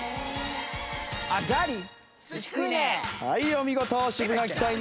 お見事。